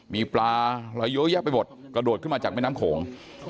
มีปลาอะไรเยอะแยะไปหมดกระโดดขึ้นมาจากแม่น้ำโขง